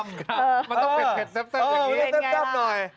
มันต้องเผ็ดแซ่บอย่างนี้